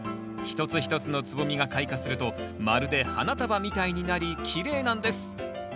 一つ一つの蕾が開花するとまるで花束みたいになりきれいなんです